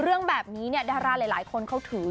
เรื่องแบบนี้ราชาศาจารย์หลายคนเขาถือ